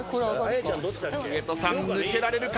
上戸さん抜けられるか？